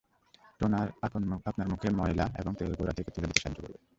Toner আপনার মুখে ময়লা এবং তেল গোড়া থেকে তুলে দিতে সাহায্য করবে।